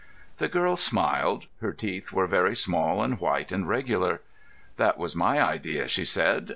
The girl smiled. Her teeth were very small and white and regular. "That was my idea," she said.